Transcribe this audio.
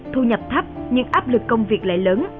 thu nhập thấp nhưng áp lực công việc lại lớn